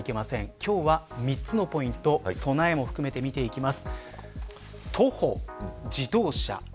今日は３つのポイント備えも含めて見ていきます。